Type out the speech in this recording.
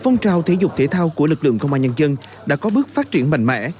phong trào thể dục thể thao của lực lượng công an nhân dân đã có bước phát triển mạnh mẽ